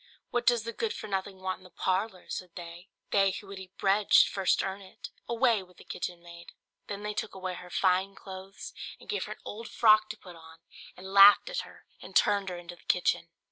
"What does the good for nothing thing want in the parlour?" said they; "they who would eat bread should first earn it; away with the kitchen maid!" Then they took away her fine clothes, and gave her an old frock to put on, and laughed at her and turned her into the kitchen.